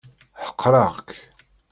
Ḥeqreɣ-k.